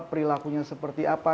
perilakunya seperti apa